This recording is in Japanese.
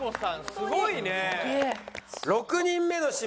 すごいね。